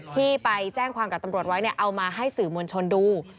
ที่ไปแจ้งความกับตำรวจไว้เอามาให้สื่อมวลชนดู